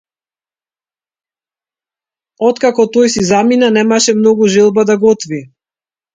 Откако тој си замина, немаше многу желба да готви.